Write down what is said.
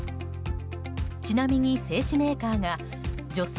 ちなみに製紙メーカーが女性